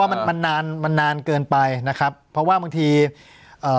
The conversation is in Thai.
มันมันนานมันนานเกินไปนะครับเพราะว่าบางทีเอ่อ